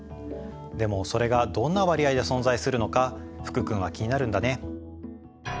でもそれがどんな割合で存在するのか福君は気になるんだね？